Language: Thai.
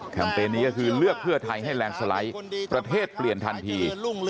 เปญนี้ก็คือเลือกเพื่อไทยให้แลนด์สไลด์ประเทศเปลี่ยนทันที